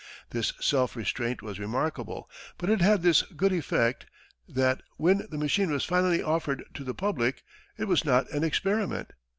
This self restraint was remarkable, but it had this good effect, that when the machine was finally offered to the public, it was not an experiment.